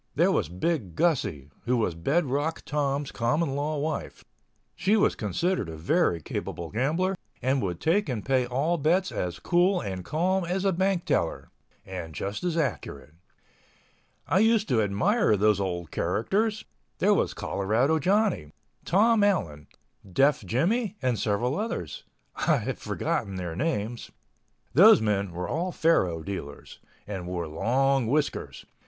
There was Big Gussie, who was Bed Rock Tom's common law wife. She was considered a very capable gambler and would take and pay all bets as cool and calm as a bank teller—and just as accurate. I used to admire those old characters. There was Colorado Johnny, Tom Allen, Deaf Jimmie and several others ... I have forgotten their names. Those men were all faro dealers—and wore long whiskers